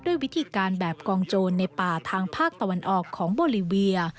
ด้วยวิธีการแบบกองโจรในป่าทางภาคตะวันออกของโบลิเวีย